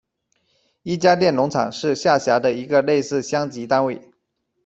伊家店农场是下辖的一个类似乡级单位。